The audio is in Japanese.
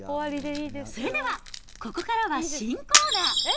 それでは、ここからは新コーナー。